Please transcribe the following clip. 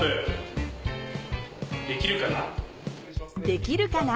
できるかな？